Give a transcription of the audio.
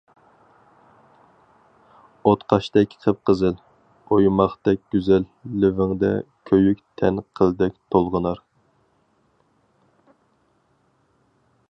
ئوتقاشتەك قىپقىزىل، ئويماقتەك گۈزەل لېۋىڭدە كۆيۈك تەن قىلدەك تولغىنار.